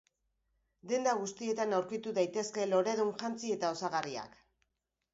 Denda guztietan aurkitu daitezke loredun jantzi eta osagarriak.